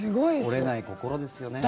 折れない心ですよね。